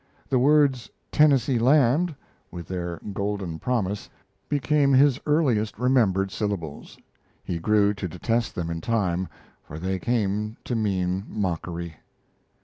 The words "Tennessee land," with their golden promise, became his earliest remembered syllables. He grew to detest them in time, for they came to mean mockery.